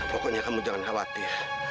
pokoknya kamu jangan khawatir